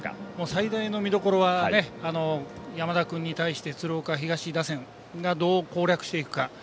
最大の見どころは山田君に対して鶴岡東打線がどう攻略していくか。